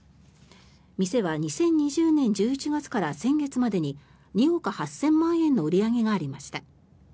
店は２０２０年１１月から先月までに２億８０００万円の売り上げがありました。